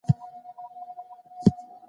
دښمن به ماته خوړلې وي.